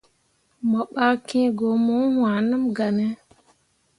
Mo ɓah kiŋ ko mo waaneml gah ne.